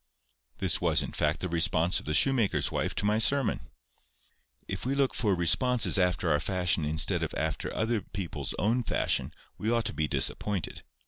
This was in fact the response of the shoemaker's wife to my sermon. If we look for responses after our fashion instead of after people's own fashion, we ought to be disappointed.